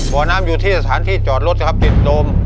บ่อน้ำอยู่ที่สถานที่จอดรถนะครับติดโดม